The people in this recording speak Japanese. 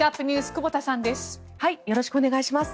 久保田さんです。